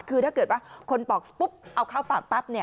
คือถ้าเกิดว่าคนปอกปุ๊บเอาเข้าปากปั๊บเนี่ย